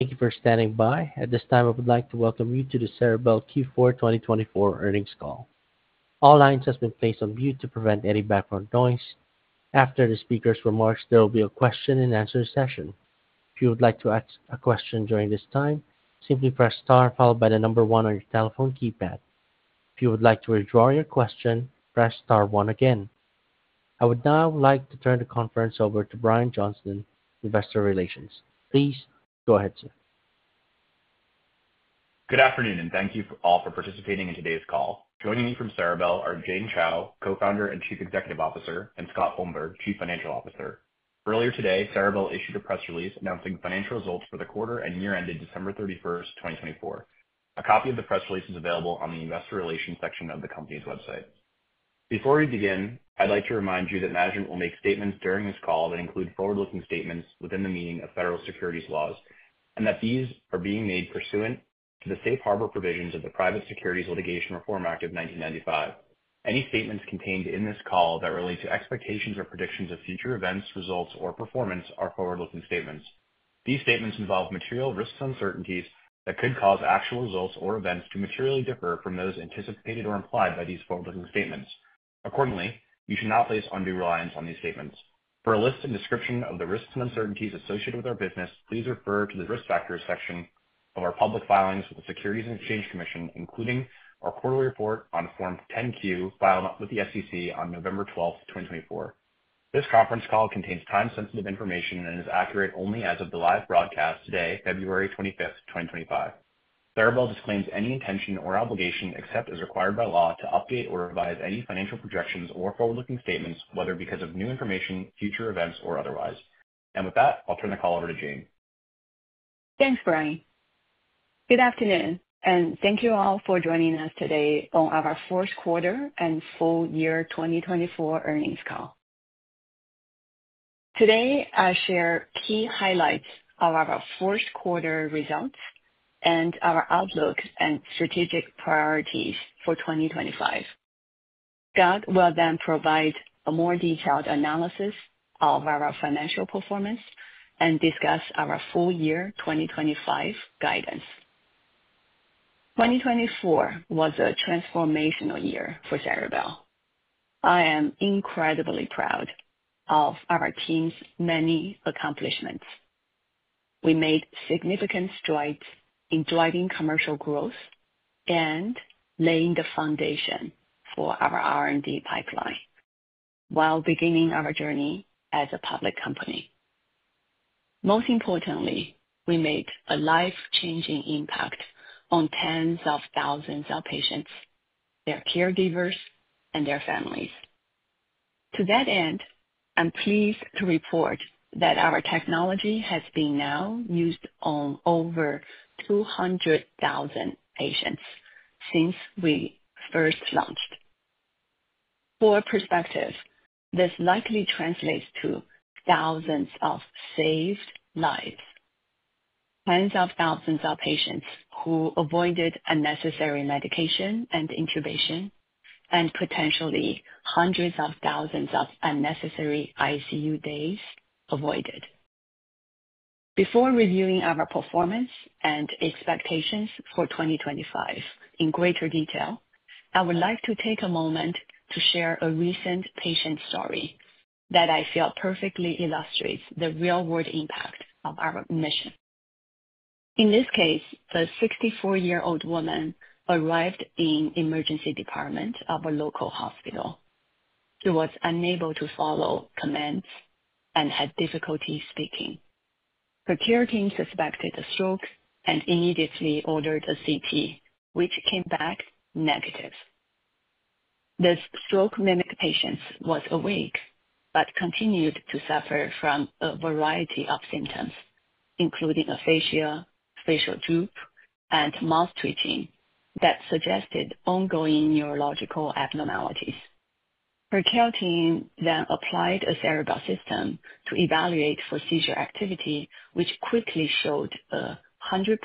Thank you for standing by. At this time, I would like to welcome you to the Ceribell Q4 2024 earnings call. All lines have been placed on mute to prevent any background noise. After the speaker's remarks, there will be a question-and-answer session. If you would like to ask a question during this time, simply press star followed by the number one on your telephone keypad. If you would like to withdraw your question, press star one again. I would now like to turn the conference over to Brian Johnston, Investor Relations. Please go ahead, sir. Good afternoon, and thank you all for participating in today's call. Joining me from Ceribell are Jane Chao, Co-Founder and Chief Executive Officer, and Scott Blumberg, Chief Financial Officer. Earlier today, Ceribell issued a press release announcing financial results for the quarter and year-ended December 31st, 2024. A copy of the press release is available on the Investor Relations section of the company's website. Before we begin, I'd like to remind you that management will make statements during this call that include forward-looking statements within the meaning of federal securities laws, and that these are being made pursuant to the safe harbor provisions of the Private Securities Litigation Reform Act of 1995. Any statements contained in this call that relate to expectations or predictions of future events, results, or performance are forward-looking statements. These statements involve material risks and uncertainties that could cause actual results or events to materially differ from those anticipated or implied by these forward-looking statements. Accordingly, you should not place undue reliance on these statements. For a list and description of the risks and uncertainties associated with our business, please refer to the risk factors section of our public filings with the Securities and Exchange Commission, including our quarterly report on Form 10-Q filed with the SEC on November 12th, 2024. This conference call contains time-sensitive information and is accurate only as of the live broadcast today, February 25th, 2025. Ceribell disclaims any intention or obligation except as required by law to update or revise any financial projections or forward-looking statements, whether because of new information, future events, or otherwise. And with that, I'll turn the call over to Jane. Thanks, Brian. Good afternoon, and thank you all for joining us today on our fourth quarter and full year 2024 earnings call. Today, I share key highlights of our fourth quarter results and our outlook and strategic priorities for 2025. Scott will then provide a more detailed analysis of our financial performance and discuss our full year 2025 guidance. 2024 was a transformational year for Ceribell. I am incredibly proud of our team's many accomplishments. We made significant strides in driving commercial growth and laying the foundation for our R&D pipeline while beginning our journey as a public company. Most importantly, we made a life-changing impact on tens of thousands of patients, their caregivers, and their families. To that end, I'm pleased to report that our technology has been now used on over 200,000 patients since we first launched. For perspective, this likely translates to thousands of saved lives, tens of thousands of patients who avoided unnecessary medication and intubation, and potentially hundreds of thousands of unnecessary ICU days avoided. Before reviewing our performance and expectations for 2025 in greater detail, I would like to take a moment to share a recent patient story that I feel perfectly illustrates the real-world impact of our mission. In this case, a 64-year-old woman arrived in the emergency department of a local hospital. She was unable to follow commands and had difficulty speaking. Her care team suspected a stroke and immediately ordered a CT, which came back negative. This stroke-mimic patient was awake but continued to suffer from a variety of symptoms, including aphasia, facial droop, and mouth twitching that suggested ongoing neurological abnormalities. Her care team then applied a Ceribell System to evaluate for seizure activity, which quickly showed a 100%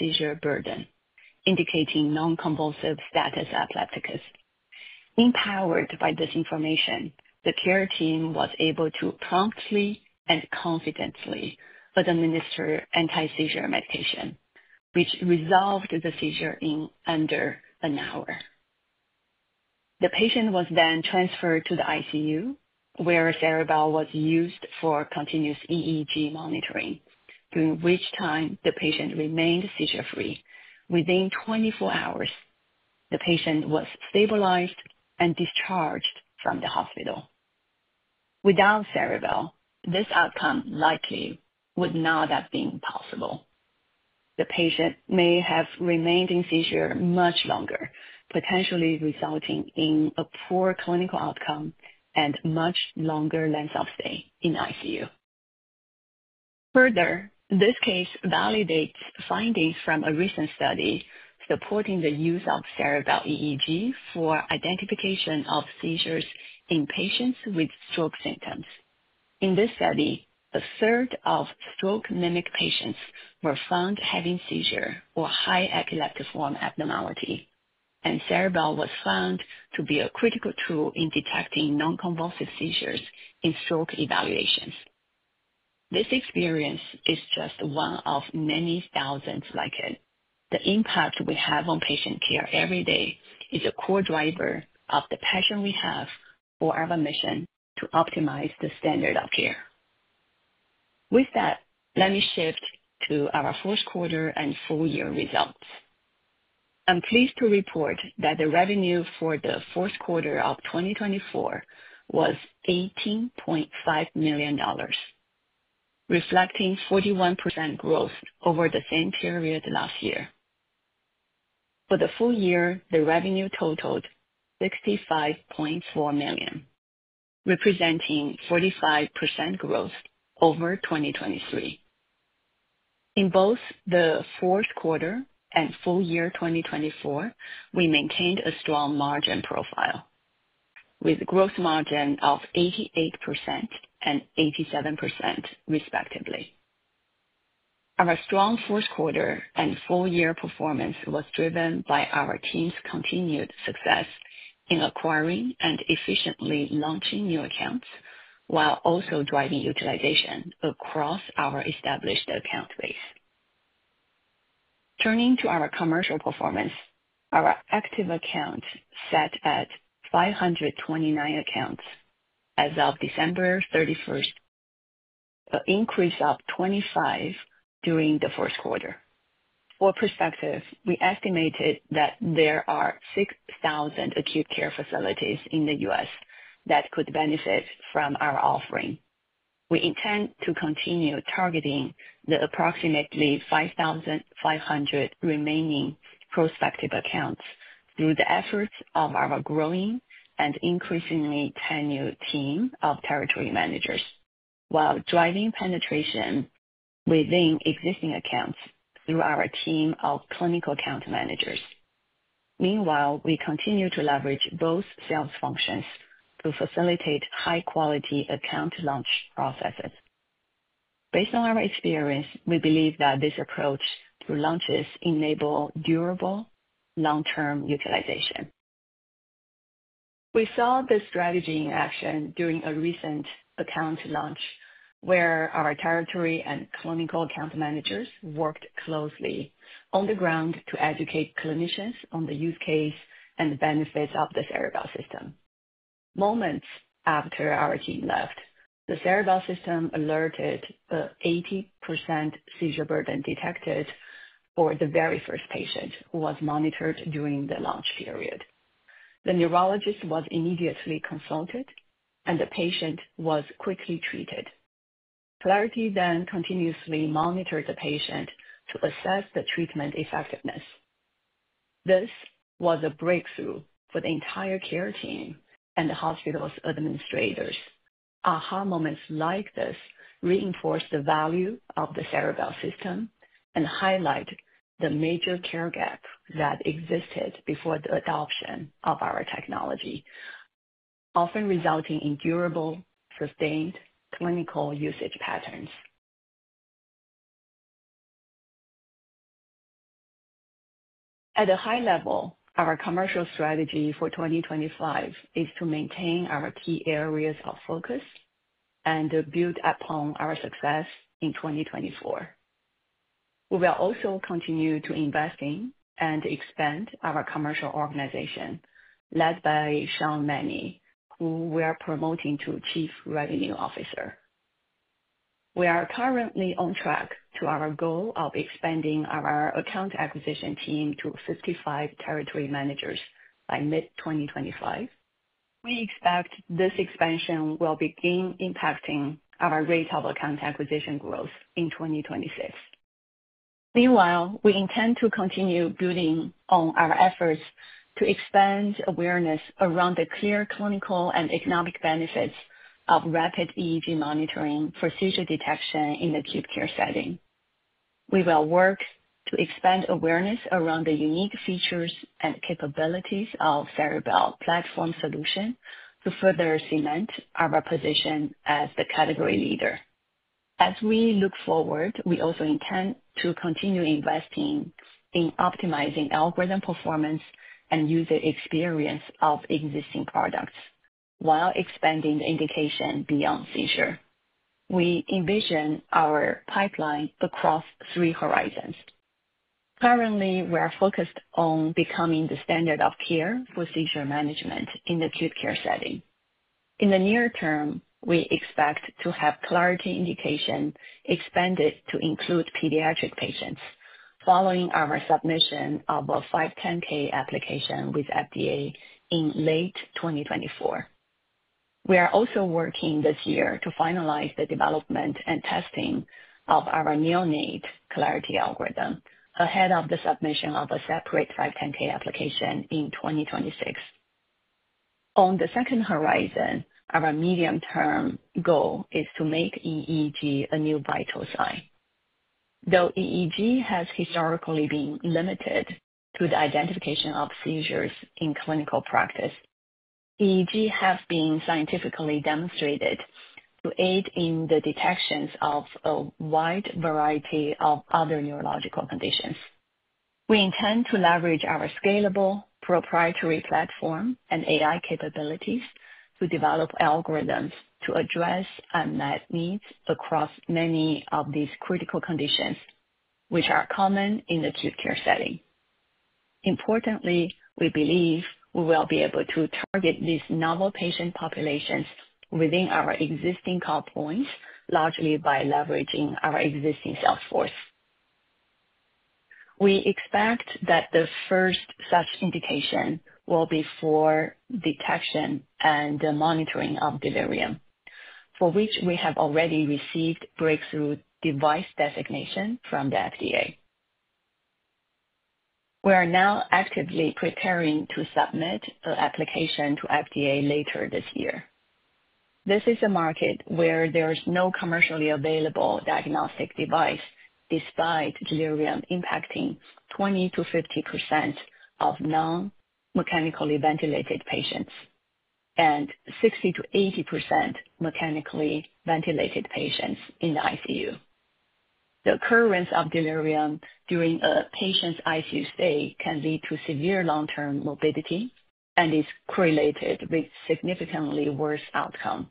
seizure burden, indicating non-convulsive status epilepticus. Empowered by this information, the care team was able to promptly and confidently administer anti-seizure medication, which resolved the seizure in under an hour. The patient was then transferred to the ICU, where Ceribell was used for continuous EEG monitoring, during which time the patient remained seizure-free. Within 24 hours, the patient was stabilized and discharged from the hospital. Without Ceribell, this outcome likely would not have been possible. The patient may have remained in seizure much longer, potentially resulting in a poor clinical outcome and much longer length of stay in ICU. Further, this case validates findings from a recent study supporting the use of Ceribell EEG for identification of seizures in patients with stroke symptoms. In this study, a third of stroke-mimic patients were found having seizure or high epileptiform abnormality, and Ceribell was found to be a critical tool in detecting non-convulsive seizures in stroke evaluations. This experience is just one of many thousands like it. The impact we have on patient care every day is a core driver of the passion we have for our mission to optimize the standard of care. With that, let me shift to our fourth quarter and full year results. I'm pleased to report that the revenue for the fourth quarter of 2024 was $18.5 million, reflecting 41% growth over the same period last year. For the full year, the revenue totaled $65.4 million, representing 45% growth over 2023. In both the fourth quarter and full year 2024, we maintained a strong margin profile, with gross margin of 88% and 87%, respectively. Our strong fourth quarter and full year performance was driven by our team's continued success in acquiring and efficiently launching new accounts while also driving utilization across our established account base. Turning to our commercial performance, our active accounts sat at 529 accounts as of December 31st, an increase of 25 during the fourth quarter. For perspective, we estimated that there are 6,000 acute care facilities in the U.S. that could benefit from our offering. We intend to continue targeting the approximately 5,500 remaining prospective accounts through the efforts of our growing and increasingly tenured team of territory managers while driving penetration within existing accounts through our team of clinical account managers. Meanwhile, we continue to leverage both sales functions to facilitate high-quality account launch processes. Based on our experience, we believe that this approach through launches enables durable, long-term utilization. We saw this strategy in action during a recent account launch where our territory and clinical account managers worked closely on the ground to educate clinicians on the use case and the benefits of the Ceribell System. Moments after our team left, the Ceribell System alerted an 80% seizure burden detected for the very first patient who was monitored during the launch period. The neurologist was immediately consulted, and the patient was quickly treated. Clarity then continuously monitored the patient to assess the treatment effectiveness. This was a breakthrough for the entire care team and the hospital's administrators. Aha moments like this reinforce the value of the Ceribell System and highlight the major care gap that existed before the adoption of our technology, often resulting in durable, sustained clinical usage patterns. At a high level, our commercial strategy for 2025 is to maintain our key areas of focus and build upon our success in 2024. We will also continue to invest in and expand our commercial organization led by Sean Manni, who we are promoting to Chief Revenue Officer. We are currently on track to our goal of expanding our account acquisition team to 55 territory managers by mid-2025. We expect this expansion will begin impacting our rate of account acquisition growth in 2026. Meanwhile, we intend to continue building on our efforts to expand awareness around the clear clinical and economic benefits of rapid EEG monitoring for seizure detection in the acute care setting. We will work to expand awareness around the unique features and capabilities of Ceribell platform solution to further cement our position as the category leader. As we look forward, we also intend to continue investing in optimizing algorithm performance and user experience of existing products while expanding the indication beyond seizure. We envision our pipeline across three horizons. Currently, we are focused on becoming the standard of care for seizure management in the acute care setting. In the near term, we expect to have Clarity indication expanded to include pediatric patients following our submission of a 510(k) application with FDA in late 2024. We are also working this year to finalize the development and testing of our neonate Clarity algorithm ahead of the submission of a separate 510(k) application in 2026. On the second horizon, our medium-term goal is to make EEG a new vital sign. Though EEG has historically been limited to the identification of seizures in clinical practice, EEG has been scientifically demonstrated to aid in the detection of a wide variety of other neurological conditions. We intend to leverage our scalable proprietary platform and AI capabilities to develop algorithms to address unmet needs across many of these critical conditions, which are common in the acute care setting. Importantly, we believe we will be able to target these novel patient populations within our existing call points, largely by leveraging our existing sales force. We expect that the first such indication will be for detection and monitoring of delirium, for which we have already received Breakthrough Device Designation from the FDA. We are now actively preparing to submit an application to FDA later this year. This is a market where there is no commercially available diagnostic device despite delirium impacting 20%-50% of non-mechanically ventilated patients and 60%-80% mechanically ventilated patients in the ICU. The occurrence of delirium during a patient's ICU stay can lead to severe long-term morbidity and is correlated with significantly worse outcome.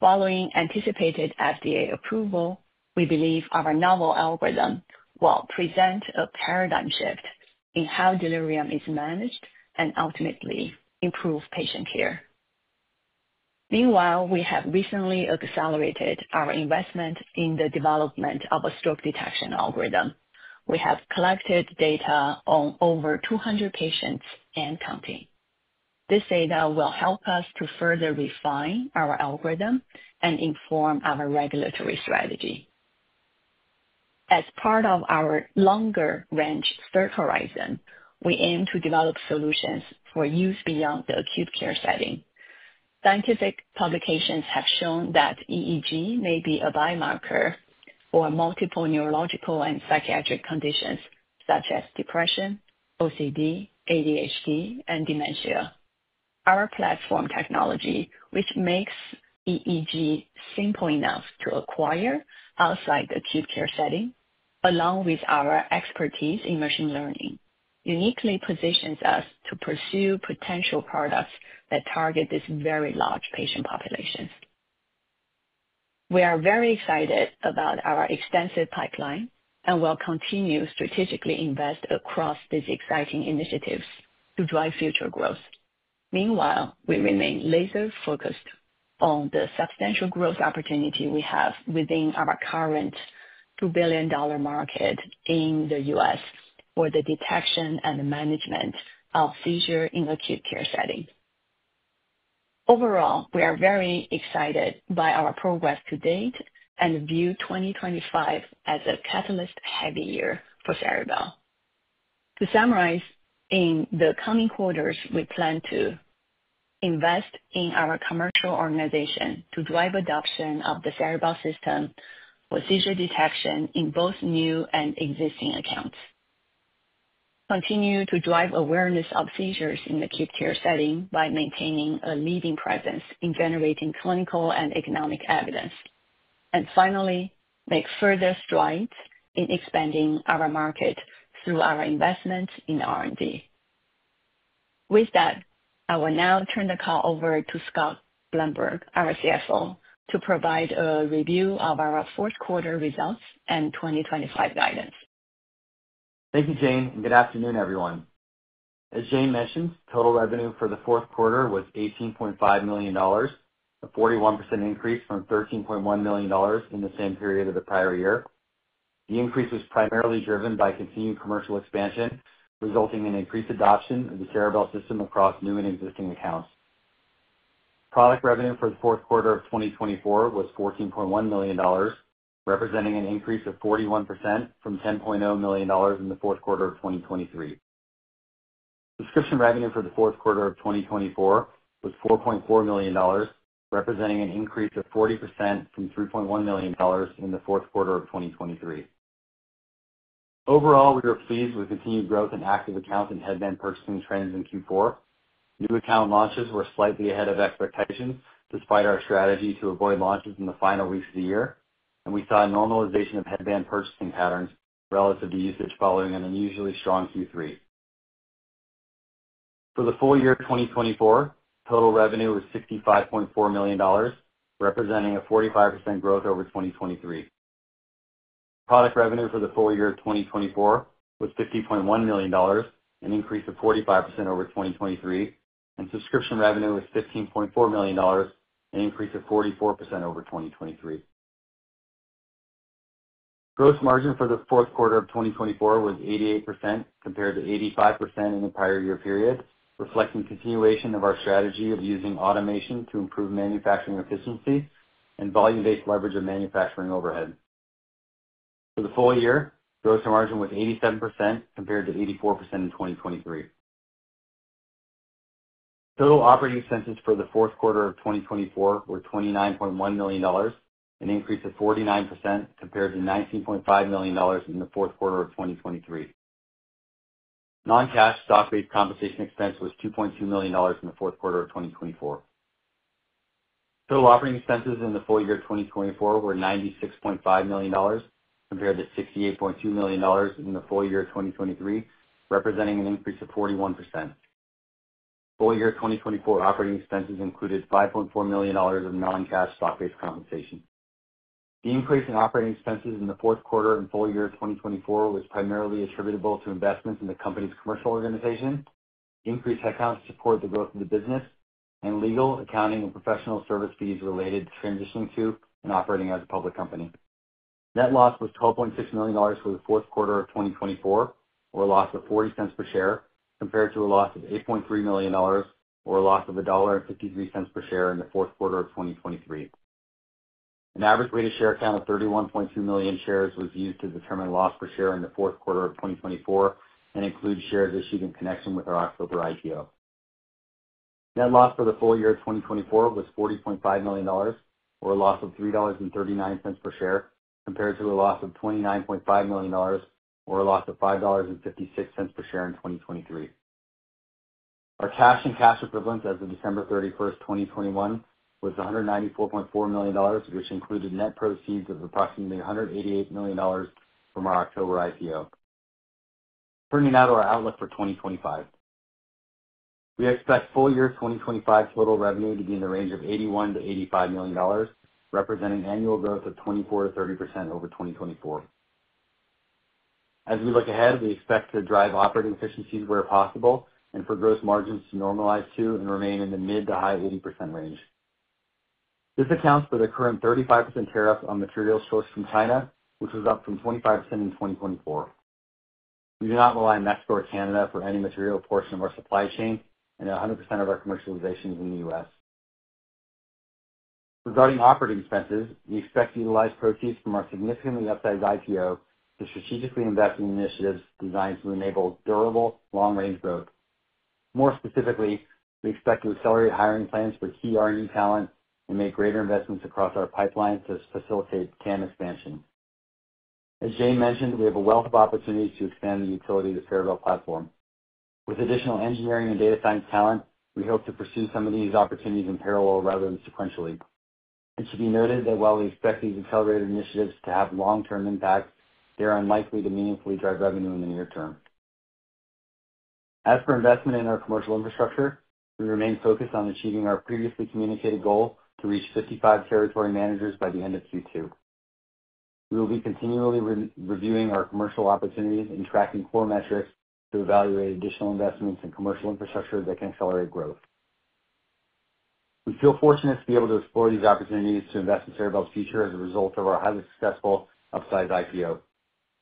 Following anticipated FDA approval, we believe our novel algorithm will present a paradigm shift in how delirium is managed and ultimately improve patient care. Meanwhile, we have recently accelerated our investment in the development of a stroke detection algorithm. We have collected data on over 200 patients and counting. This data will help us to further refine our algorithm and inform our regulatory strategy. As part of our longer-range third horizon, we aim to develop solutions for use beyond the acute care setting. Scientific publications have shown that EEG may be a biomarker for multiple neurological and psychiatric conditions such as depression, OCD, ADHD, and dementia. Our platform technology, which makes EEG simple enough to acquire outside the acute care setting, along with our expertise in machine learning, uniquely positions us to pursue potential products that target this very large patient population. We are very excited about our extensive pipeline and will continue to strategically invest across these exciting initiatives to drive future growth. Meanwhile, we remain laser-focused on the substantial growth opportunity we have within our current $2 billion market in the U.S. for the detection and management of seizure in the acute care setting. Overall, we are very excited by our progress to date and view 2025 as a catalyst-heavy year for Ceribell. To summarize, in the coming quarters, we plan to invest in our commercial organization to drive adoption of the Ceribell System for seizure detection in both new and existing accounts, continue to drive awareness of seizures in the acute care setting by maintaining a leading presence in generating clinical and economic evidence, and finally, make further strides in expanding our market through our investments in R&D. With that, I will now turn the call over to Scott Blumberg, our CFO, to provide a review of our fourth quarter results and 2025 guidance. Thank you, Jane. And good afternoon, everyone. As Jane mentioned, total revenue for the fourth quarter was $18.5 million, a 41% increase from $13.1 million in the same period of the prior year. The increase was primarily driven by continued commercial expansion, resulting in increased adoption of the Ceribell System across new and existing accounts. Product revenue for the fourth quarter of 2024 was $14.1 million, representing an increase of 41% from $10.0 million in the fourth quarter of 2023. Subscription revenue for the fourth quarter of 2024 was $4.4 million, representing an increase of 40% from $3.1 million in the fourth quarter of 2023. Overall, we were pleased with continued growth in active accounts and headband purchasing trends in Q4. New account launches were slightly ahead of expectations despite our strategy to avoid launches in the final weeks of the year, and we saw a normalization of headband purchasing patterns relative to usage following an unusually strong Q3. For the full year 2024, total revenue was $65.4 million, representing a 45% growth over 2023. Product revenue for the full year 2024 was $50.1 million, an increase of 45% over 2023, and subscription revenue was $15.4 million, an increase of 44% over 2023. Gross margin for the fourth quarter of 2024 was 88% compared to 85% in the prior year period, reflecting continuation of our strategy of using automation to improve manufacturing efficiency and volume-based leverage of manufacturing overhead. For the full year, gross margin was 87% compared to 84% in 2023. Total operating expenses for the fourth quarter of 2024 were $29.1 million, an increase of 49% compared to $19.5 million in the fourth quarter of 2023. Non-cash stock-based compensation expense was $2.2 million in the fourth quarter of 2024. Total operating expenses in the full year 2024 were $96.5 million compared to $68.2 million in the full year 2023, representing an increase of 41%. Full year 2024 operating expenses included $5.4 million of non-cash stock-based compensation. The increase in operating expenses in the fourth quarter and full year 2024 was primarily attributable to investments in the company's commercial organization, increased headcount to support the growth of the business, and legal, accounting, and professional service fees related to transitioning to and operating as a public company. Net loss was $12.6 million for the fourth quarter of 2024, or a loss of $0.40 per share, compared to a loss of $8.3 million or a loss of $1.53 per share in the fourth quarter of 2023. An average weighted share count of 31.2 million shares was used to determine loss per share in the fourth quarter of 2024 and include shares issued in connection with our October IPO. Net loss for the full year 2024 was $40.5 million, or a loss of $3.39 per share, compared to a loss of $29.5 million or a loss of $5.56 per share in 2023. Our cash and cash equivalents as of December 31st, 2024, was $194.4 million, which included net proceeds of approximately $188 million from our October IPO. Turning now to our outlook for 2025, we expect full year 2025 total revenue to be in the range of $81-$85 million, representing annual growth of 24%-30% over 2024. As we look ahead, we expect to drive operating efficiencies where possible and for gross margins to normalize to and remain in the mid to high 80% range. This accounts for the current 35% tariff on materials sourced from China, which was up from 25% in 2024. We do not rely on Mexico or Canada for any material portion of our supply chain and 100% of our commercialization is in the U.S. Regarding operating expenses, we expect to utilize proceeds from our significantly upsized IPO to strategically invest in initiatives designed to enable durable long-range growth. More specifically, we expect to accelerate hiring plans for key R&D talent and make greater investments across our pipeline to facilitate CAM expansion. As Jane mentioned, we have a wealth of opportunities to expand the utility of the Ceribell platform. With additional engineering and data science talent, we hope to pursue some of these opportunities in parallel rather than sequentially. It should be noted that while we expect these accelerated initiatives to have long-term impacts, they are unlikely to meaningfully drive revenue in the near term. As for investment in our commercial infrastructure, we remain focused on achieving our previously communicated goal to reach 55 territory managers by the end of Q2. We will be continually reviewing our commercial opportunities and tracking core metrics to evaluate additional investments in commercial infrastructure that can accelerate growth. We feel fortunate to be able to explore these opportunities to invest in Ceribell's future as a result of our highly successful upsized IPO.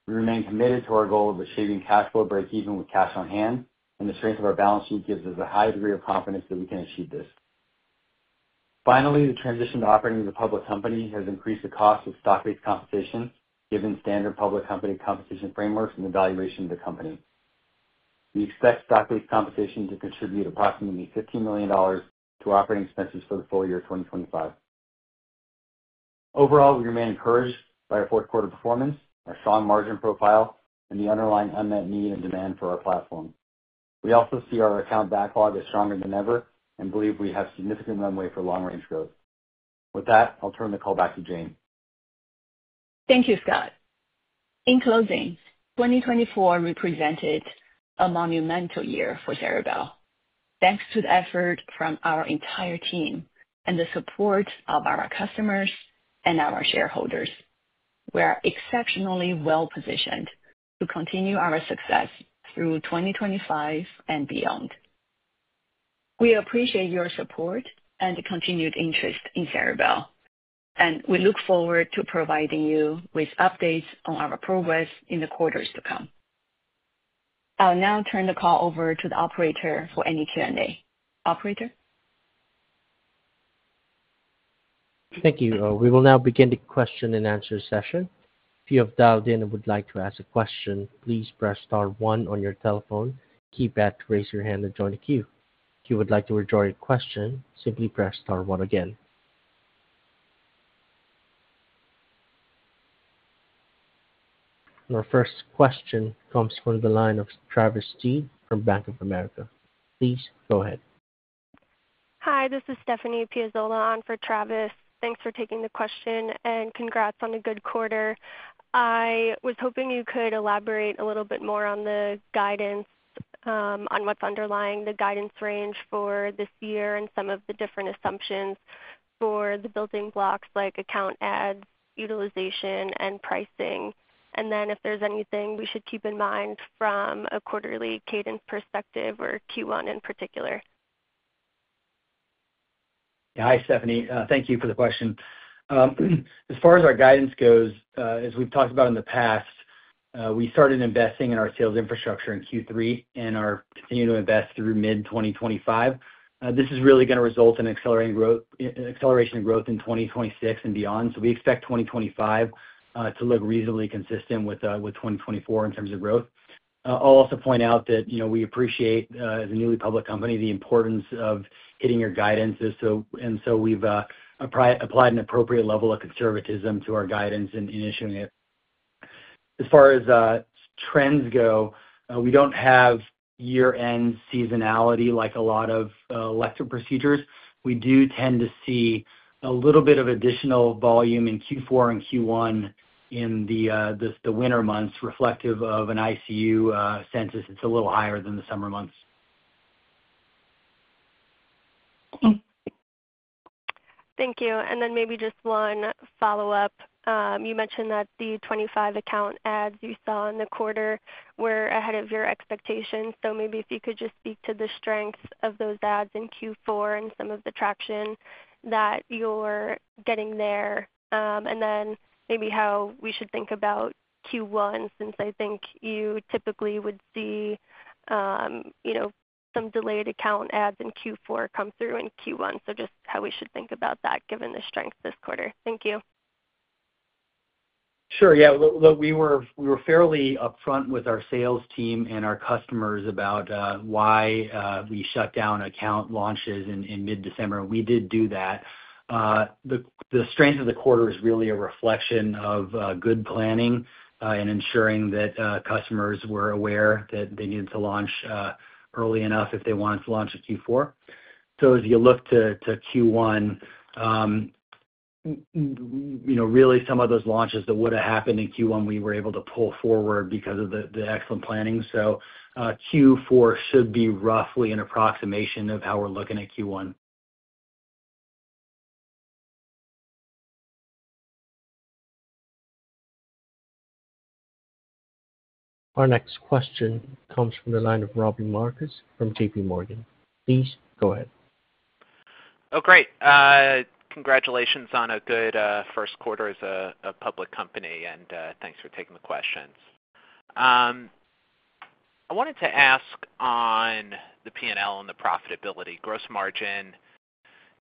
We remain committed to our goal of achieving cash flow break-even with cash on hand, and the strength of our balance sheet gives us a high degree of confidence that we can achieve this. Finally, the transition to operating as a public company has increased the cost of stock-based compensation given standard public company compensation frameworks and evaluation of the company. We expect stock-based compensation to contribute approximately $15 million to operating expenses for the full year 2025. Overall, we remain encouraged by our fourth quarter performance, our strong margin profile, and the underlying unmet need and demand for our platform. We also see our account backlog as stronger than ever and believe we have significant runway for long-range growth. With that, I'll turn the call back to Jane. Thank you, Scott. In closing, 2024 represented a monumental year for Ceribell. Thanks to the effort from our entire team and the support of our customers and our shareholders, we are exceptionally well-positioned to continue our success through 2025 and beyond. We appreciate your support and continued interest in Ceribell, and we look forward to providing you with updates on our progress in the quarters to come. I'll now turn the call over to the operator for any Q&A. Operator? Thank you. We will now begin the question and answer session. If you have dialed in and would like to ask a question, please press star one on your telephone keypad, raise your hand, and join the queue. If you would like to withdraw your question, simply press star one again. Our first question comes from the line of Travis Steed from Bank of America. Please go ahead. Hi, this is Stephanie Piazzola on for Travis. Thanks for taking the question and congrats on a good quarter. I was hoping you could elaborate a little bit more on the guidance, on what's underlying the guidance range for this year and some of the different assumptions for the building blocks like account adds, utilization, and pricing, and then if there's anything we should keep in mind from a quarterly cadence perspective or Q1 in particular. Hi, Stephanie. Thank you for the question. As far as our guidance goes, as we've talked about in the past, we started investing in our sales infrastructure in Q3 and are continuing to invest through mid-2025. This is really going to result in acceleration of growth in 2026 and beyond. So we expect 2025 to look reasonably consistent with 2024 in terms of growth. I'll also point out that we appreciate, as a newly public company, the importance of hitting your guidances. And so we've applied an appropriate level of conservatism to our guidance in issuing it. As far as trends go, we don't have year-end seasonality like a lot of elective procedures. We do tend to see a little bit of additional volume in Q4 and Q1 in the winter months, reflective of an ICU census that's a little higher than the summer months. Thank you. And then maybe just one follow-up. You mentioned that the 25 account adds you saw in the quarter were ahead of your expectations. So maybe if you could just speak to the strengths of those adds in Q4 and some of the traction that you're getting there, and then maybe how we should think about Q1, since I think you typically would see some delayed account adds in Q4 come through in Q1. So just how we should think about that given the strength this quarter. Thank you. Sure. Yeah. We were fairly upfront with our sales team and our customers about why we shut down account launches in mid-December. We did do that. The strength of the quarter is really a reflection of good planning and ensuring that customers were aware that they needed to launch early enough if they wanted to launch in Q4. So as you look to Q1, really some of those launches that would have happened in Q1, we were able to pull forward because of the excellent planning. So Q4 should be roughly an approximation of how we're looking at Q1. Our next question comes from the line of Robbie Marcus from JPMorgan. Please go ahead. Oh, great. Congratulations on a good first quarter as a public company, and thanks for taking the questions. I wanted to ask on the P&L and the profitability. Gross margin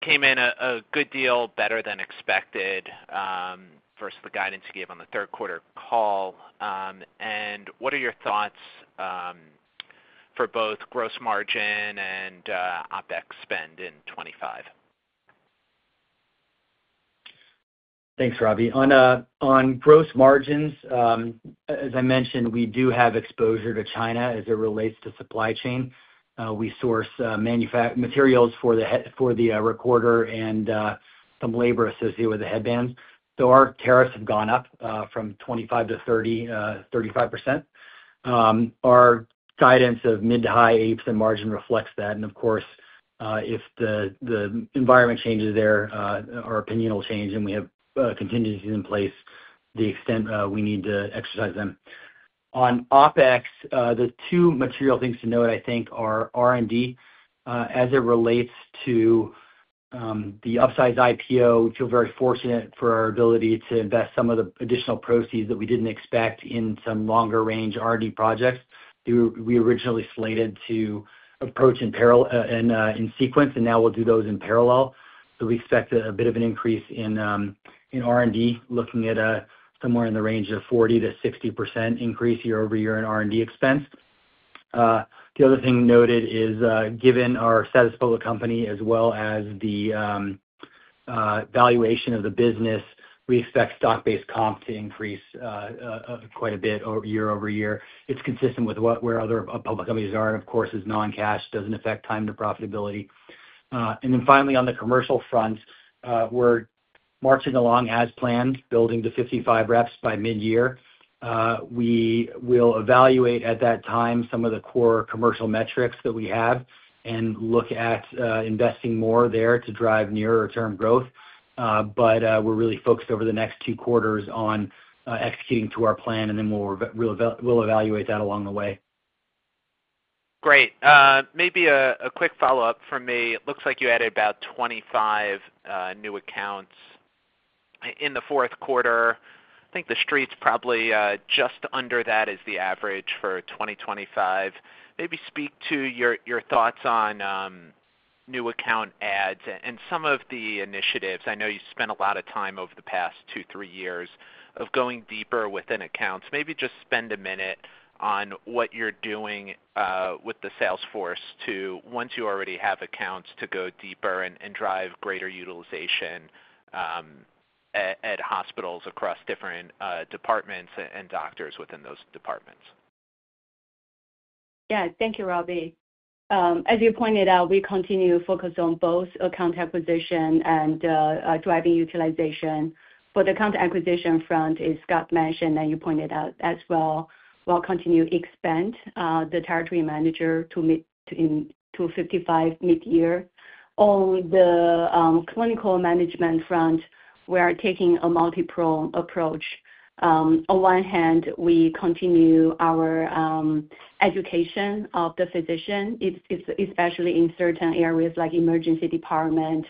came in a good deal better than expected versus the guidance you gave on the third quarter call. And what are your thoughts for both gross margin and OpEx spend in 2025? Thanks, Robbie. On gross margins, as I mentioned, we do have exposure to China as it relates to supply chain. We source materials for the recorder and some labor associated with the headbands. So our tariffs have gone up from 25%-35%. Our guidance of mid- to high 80% margin reflects that. And of course, if the environment changes there, our opinion will change, and we have contingencies in place to the extent we need to exercise them. On OpEx, the two material things to note, I think, are R&D as it relates to the upsized IPO. We feel very fortunate for our ability to invest some of the additional proceeds that we didn't expect in some longer-range R&D projects. We originally slated to approach in sequence, and now we'll do those in parallel. So we expect a bit of an increase in R&D, looking at somewhere in the range of 40%-60% increase year-over-year in R&D expense. The other thing noted is, given our status of company as well as the valuation of the business, we expect stock-based comp to increase quite a bit year-over-year. It's consistent with where other public companies are. And of course, as non-cash, it doesn't affect time to profitability. And then finally, on the commercial front, we're marching along as planned, building to 55 reps by mid-year. We will evaluate at that time some of the core commercial metrics that we have and look at investing more there to drive nearer-term growth. But we're really focused over the next two quarters on executing to our plan, and then we'll evaluate that along the way. Great. Maybe a quick follow-up from me. It looks like you added about 25 new accounts in the fourth quarter. I think the Street's probably just under that is the average for 2025. Maybe speak to your thoughts on new account adds and some of the initiatives. I know you spent a lot of time over the past two, three years of going deeper within accounts. Maybe just spend a minute on what you're doing with the sales force to, once you already have accounts, to go deeper and drive greater utilization at hospitals across different departments and doctors within those departments. Yeah. Thank you, Robbie. As you pointed out, we continue to focus on both account acquisition and driving utilization. For the account acquisition front, as Scott mentioned, and you pointed out as well, we'll continue to expand the territory manager to 55 mid-year. On the clinical management front, we are taking a multi-pronged approach. On one hand, we continue our education of the physician, especially in certain areas like emergency department.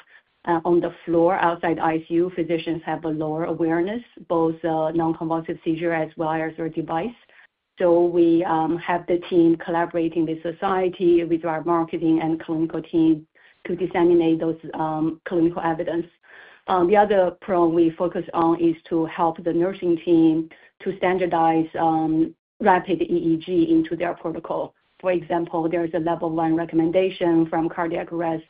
On the floor outside ICU, physicians have a lower awareness, both non-convulsive seizure as well as our device. So we have the team collaborating with society, with our marketing and clinical team to disseminate those clinical evidence. The other prong we focus on is to help the nursing team to standardize rapid EEG into their protocol. For example, there is a level one recommendation from post-cardiac arrest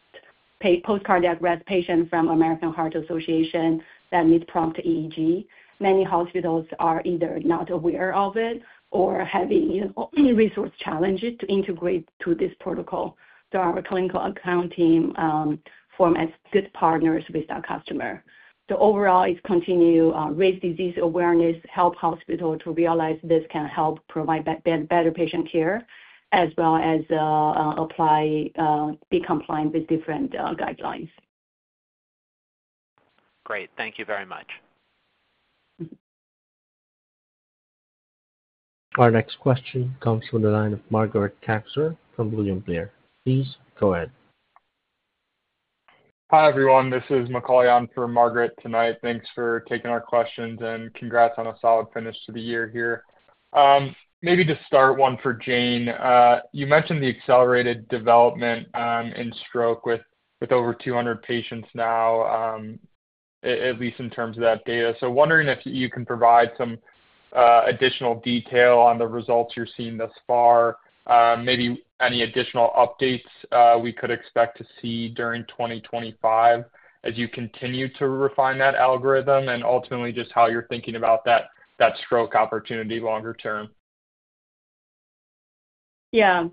patients from American Heart Association that needs prompt EEG. Many hospitals are either not aware of it or having resource challenges to integrate to this protocol. So our clinical account team forms good partners with our customer. So overall, it's continue to raise disease awareness, help hospitals to realize this can help provide better patient care as well as be compliant with different guidelines. Great. Thank you very much. Our next question comes from the line of Margaret Kaczor from William Blair. Please go ahead. Hi, everyone. This is Macauley on for Margaret tonight. Thanks for taking our questions, and congrats on a solid finish to the year here. Maybe to start one for Jane, you mentioned the accelerated development in stroke with over 200 patients now, at least in terms of that data. So wondering if you can provide some additional detail on the results you're seeing thus far, maybe any additional updates we could expect to see during 2025 as you continue to refine that algorithm, and ultimately just how you're thinking about that stroke opportunity longer term. Yeah.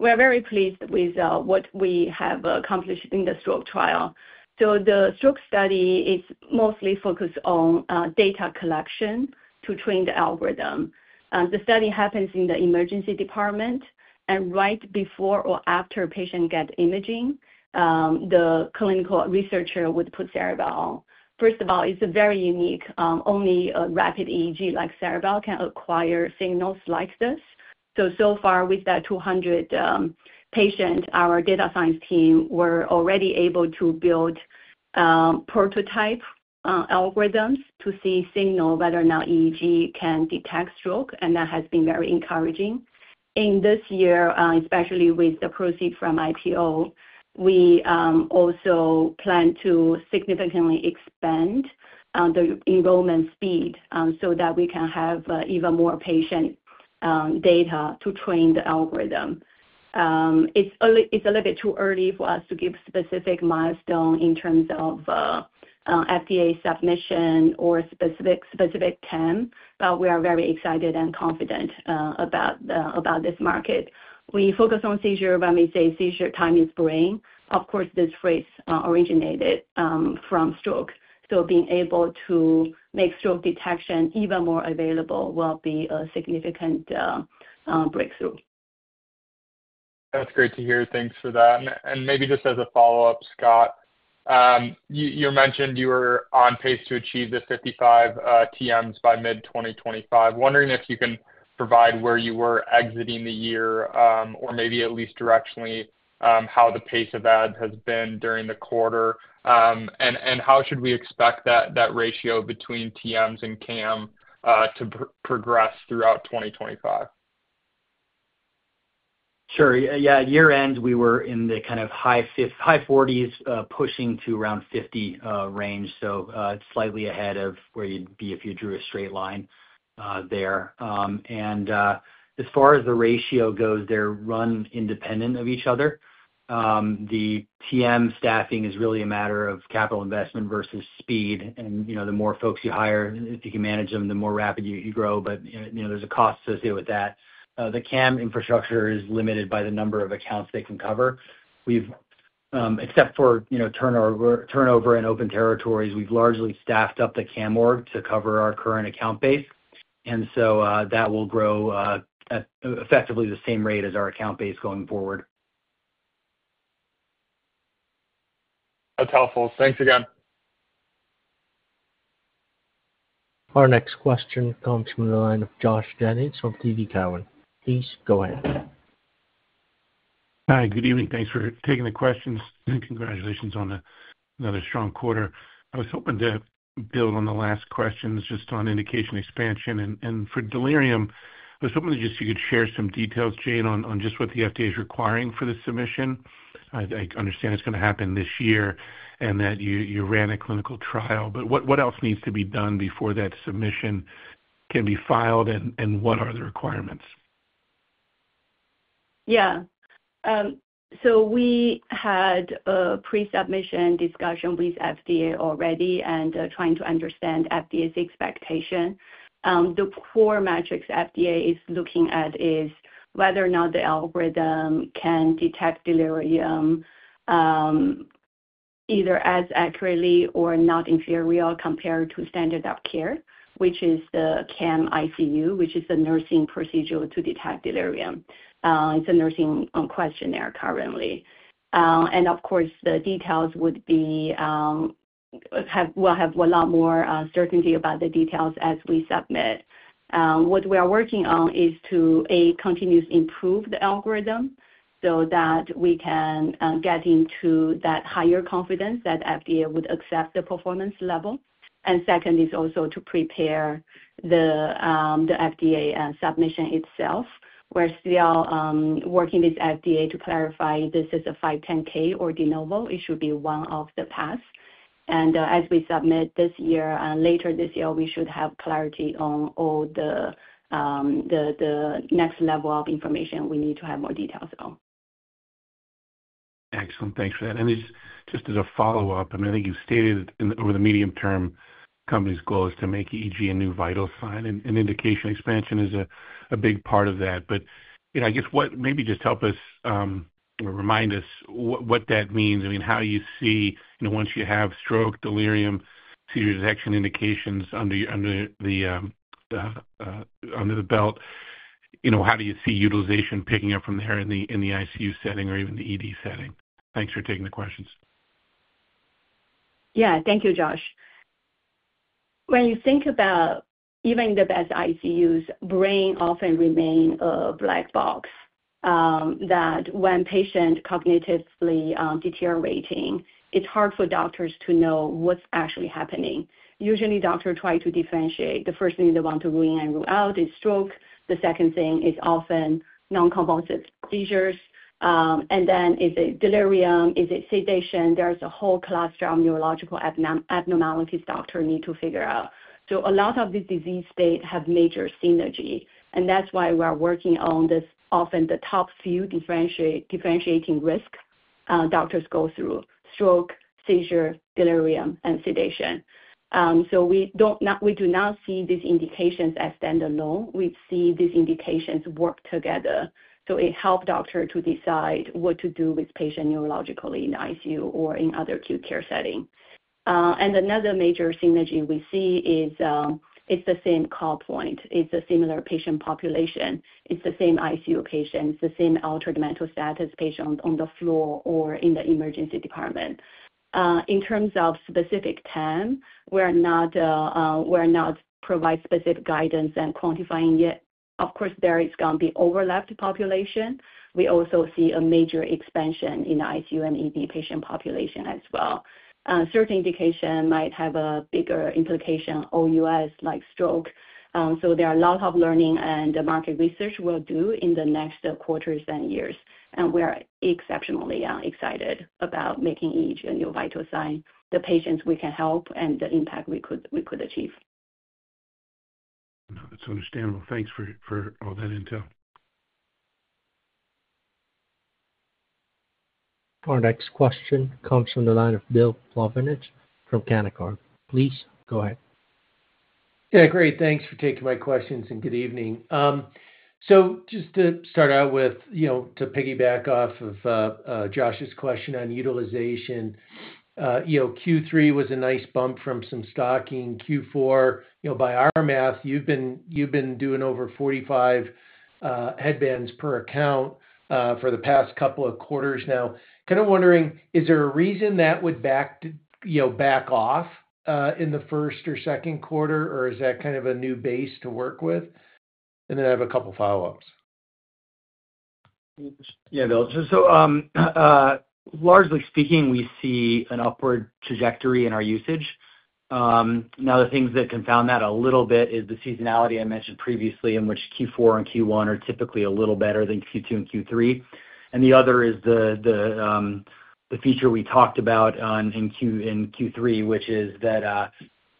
We are very pleased with what we have accomplished in the stroke trial. So the stroke study is mostly focused on data collection to train the algorithm. The study happens in the emergency department, and right before or after patients get imaging, the clinical researcher would put Ceribell on. First of all, it's very unique. Only a rapid EEG like Ceribell can acquire signals like this. So, so far, with that 200 patients, our data science team were already able to build prototype algorithms to see signal whether or not EEG can detect stroke, and that has been very encouraging. In this year, especially with the proceeds from IPO, we also plan to significantly expand the enrollment speed so that we can have even more patient data to train the algorithm. It's a little bit too early for us to give specific milestones in terms of FDA submission or specific time, but we are very excited and confident about this market. We focus on seizure. When we say seizure, time is brain. Of course, this phrase originated from stroke. So being able to make stroke detection even more available will be a significant breakthrough. That's great to hear. Thanks for that. Maybe just as a follow-up, Scott, you mentioned you were on pace to achieve the 55 TMs by mid-2025. Wondering if you can provide where you were exiting the year or maybe at least directionally how the pace of ads has been during the quarter, and how should we expect that ratio between TMs and CAM to progress throughout 2025? Sure. Yeah. Year-end, we were in the kind of high 40s, pushing to around 50 range. It's slightly ahead of where you'd be if you drew a straight line there. As far as the ratio goes, they're run independent of each other. The TM staffing is really a matter of capital investment versus speed. The more folks you hire, if you can manage them, the more rapid you grow. There's a cost associated with that. The CAM infrastructure is limited by the number of accounts they can cover. Except for turnover and open territories, we've largely staffed up the CAM org to cover our current account base, and so that will grow at effectively the same rate as our account base going forward. That's helpful. Thanks again. Our next question comes from the line of Joshua Jennings from TD Cowen. Please go ahead. Hi. Good evening. Thanks for taking the questions. Congratulations on another strong quarter. I was hoping to build on the last questions just on indication expansion, and for delirium, I was hoping that just you could share some details, Jane, on just what the FDA is requiring for the submission. I understand it's going to happen this year and that you ran a clinical trial. But what else needs to be done before that submission can be filed, and what are the requirements? Yeah. So we had a pre-submission discussion with FDA already and trying to understand FDA's expectation. The core metrics FDA is looking at is whether or not the algorithm can detect delirium either as accurately or not inferior compared to standardized care, which is the CAM-ICU, which is the nursing procedure to detect delirium. It's a nursing questionnaire currently. And of course, the details would be we'll have a lot more certainty about the details as we submit. What we are working on is to, A, continuously improve the algorithm so that we can get into that higher confidence that FDA would accept the performance level. And second is also to prepare the FDA submission itself. We're still working with FDA to clarify if this is a 510(k) or de novo. It should be one of the paths. And as we submit this year and later this year, we should have clarity on all the next level of information we need to have more details on. Excellent. Thanks for that. And just as a follow-up, I mean, I think you've stated that over the medium term, the company's goal is to make EEG a new vital sign, and indication expansion is a big part of that. But I guess maybe just help us or remind us what that means. I mean, how do you see once you have stroke, delirium, seizure detection indications under the belt, how do you see utilization picking up from there in the ICU setting or even the ED setting? Thanks for taking the questions. Yeah. Thank you, Josh. When you think about even the best ICUs, the brain often remains a black box. When a patient is cognitively deteriorating, it's hard for doctors to know what's actually happening. Usually, doctors try to differentiate. The first thing they want to rule in and rule out is stroke. The second thing is often non-convulsive seizures, and then: Is it delirium? Is it sedation? There's a whole cluster of neurological abnormalities doctors need to figure out. So a lot of these disease states have major synergy, and that's why we are working on this, often the top few differentiating risks doctors go through: stroke, seizure, delirium, and sedation. So we do not see these indications as standalone. We see these indications work together, so it helps doctors to decide what to do with patients neurologically in ICU or in other acute care settings. And another major synergy we see is it's the same call point. It's a similar patient population. It's the same ICU patient. It's the same altered mental status patient on the floor or in the emergency department. In terms of specific time, we are not providing specific guidance and quantifying yet. Of course, there is going to be overlapped population. We also see a major expansion in the ICU and ED patient population as well. Certain indications might have a bigger implication, OUS like stroke. So there are a lot of learning and market research we'll do in the next quarters and years. And we are exceptionally excited about making EEG a new vital sign, the patients we can help, and the impact we could achieve. That's understandable. Thanks for all that intel. Our next question comes from the line of Bill Plovanic from Canaccord. Please go ahead. Yeah. Great. Thanks for taking my questions, and good evening, so just to start out with, to piggyback off of Josh's question on utilization, Q3 was a nice bump from some stocking. Q4, by our math, you've been doing over 45 headbands per account for the past couple of quarters now. Kind of wondering, is there a reason that would back off in the first or second quarter, or is that kind of a new base to work with, and then I have a couple of follow-ups. Yeah, Bill, so largely speaking, we see an upward trajectory in our usage. Now, the things that confound that a little bit is the seasonality I mentioned previously, in which Q4 and Q1 are typically a little better than Q2 and Q3. The other is the feature we talked about in Q3, which is that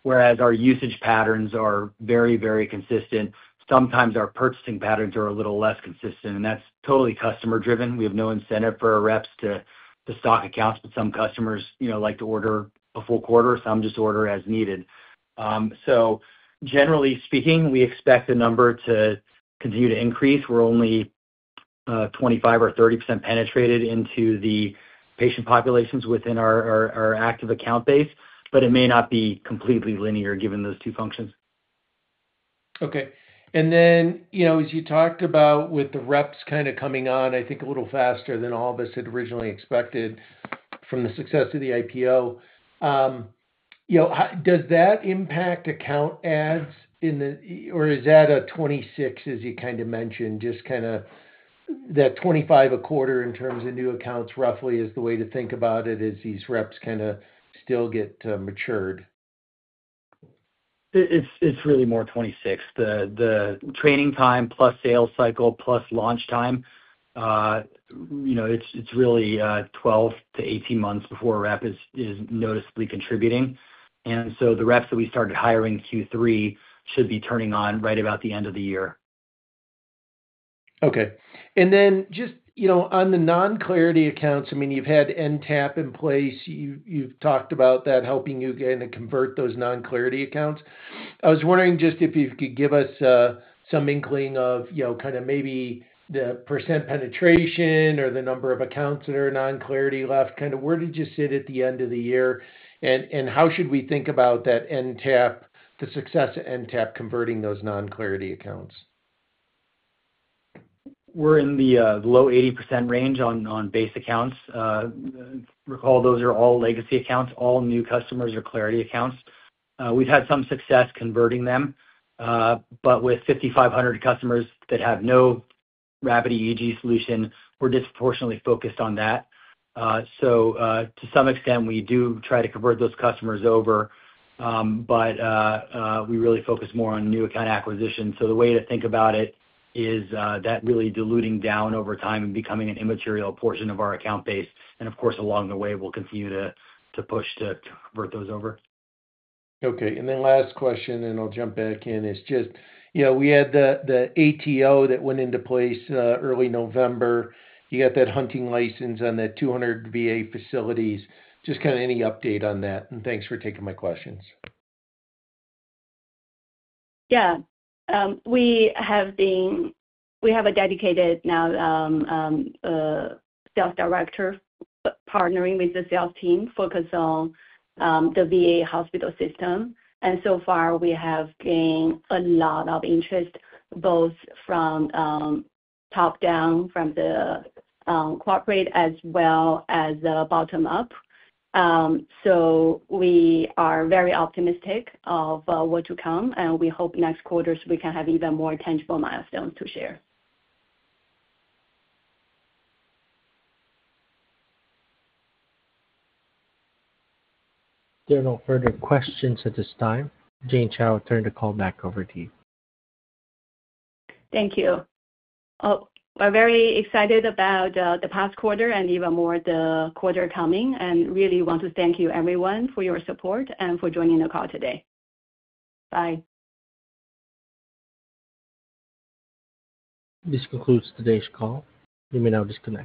whereas our usage patterns are very, very consistent, sometimes our purchasing patterns are a little less consistent. That's totally customer-driven. We have no incentive for our reps to stock accounts, but some customers like to order a full quarter. Some just order as needed. So generally speaking, we expect the number to continue to increase. We're only 25% or 30% penetrated into the patient populations within our active account base, but it may not be completely linear given those two functions. Okay. Then as you talked about with the reps kind of coming on, I think a little faster than all of us had originally expected from the success of the IPO, does that impact account adds in 2024 or is that a 2026, as you kind of mentioned, just kind of that 2025 a quarter in terms of new accounts roughly is the way to think about it as these reps kind of still get matured? It's really more 2026. The training time plus sales cycle plus launch time, it's really 12-18 months before a rep is noticeably contributing. And so the reps that we started hiring Q3 should be turning on right about the end of the year. Okay. And then just on the non-Clarity accounts, I mean, you've had NTAP in place. You've talked about that helping you kind of convert those non-Clarity accounts. I was wondering just if you could give us some inkling of kind of maybe the percent penetration or the number of accounts that are non-Clarity left. Kind of where did you sit at the end of the year? And how should we think about that NTAP, the success of NTAP converting those non-Clarity accounts? We're in the low 80% range on base accounts. Recall those are all legacy accounts. All new customers are Clarity accounts. We've had some success converting them. But with 5,500 customers that have no rapid EEG solution, we're disproportionately focused on that. So to some extent, we do try to convert those customers over, but we really focus more on new account acquisition. So the way to think about it is that really diluting down over time and becoming an immaterial portion of our account base. And of course, along the way, we'll continue to push to convert those over. Okay. And then last question, and I'll jump back in, is just we had the ATO that went into place early November. You got that hunting license on the 200 VA facilities. Just kind of any update on that? And thanks for taking my questions. Yeah. We have a dedicated now sales director partnering with the sales team focused on the VA hospital system. And so far, we have gained a lot of interest both from top down from the corporate as well as the bottom up. So we are very optimistic of what to come, and we hope next quarter we can have even more tangible milestones to share. There are no further questions at this time. Jane Chao will turn the call back over to you. Thank you. Oh, we're very excited about the past quarter and even more the quarter coming. And really want to thank you, everyone, for your support and for joining the call today. Bye. This concludes today's call. You may now disconnect.